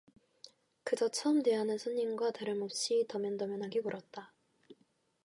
그저 처음 대하는 손님과 다름없이 더면더면하게 굴었다.